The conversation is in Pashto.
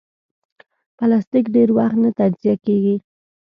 پلاستيک ډېر وخت نه تجزیه کېږي.